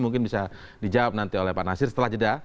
mungkin bisa dijawab nanti oleh pak nasir setelah jeda